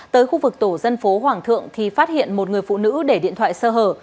tới khu vực tổ dân phố hoàng thượng thì phát hiện một người phụ nữ để điện thoại sơ hở